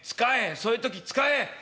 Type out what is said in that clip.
そういう時使え！